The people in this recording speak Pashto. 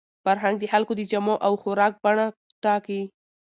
فرهنګ د خلکو د جامو او خوراک بڼه ټاکي.